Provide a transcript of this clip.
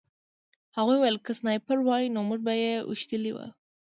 هغوی وویل که سنایپر وای نو موږ به یې ویشتلي وو